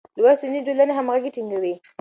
لوستې نجونې د ټولنې همغږي ټينګوي.